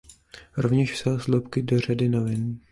Rovněž psala sloupky do řady novin.